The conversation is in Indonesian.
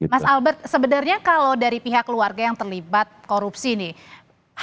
mas albert sebenarnya kalau dari pihak keluarga yang terlibat korupsi nih